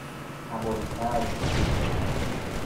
ابوالفضل